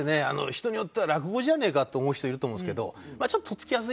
人によっては落語じゃねえかって思う人いると思うんですけど。